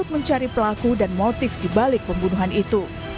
mencari pelaku dan motif dibalik pembunuhan itu